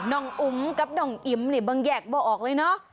นองอุ๊มกับนองอิ๊มนี้บางแยกเบอร์ออกเลยเนอะ